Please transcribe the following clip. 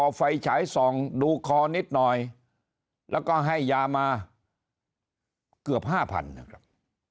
เอาไฟฉายส่องดูคอนิดหน่อยแล้วก็ให้ยามาเกือบห้าพันนะครับ